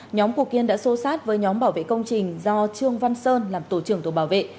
nhóm của kiên đã xô sát với nhóm bảo vệ công trình do trương văn sơn làm tổ trưởng tổ bảo vệ